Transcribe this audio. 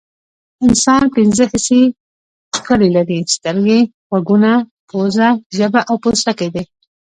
انسان پنځه حسي غړي لري چې سترګې غوږونه پوزه ژبه او پوستکی دي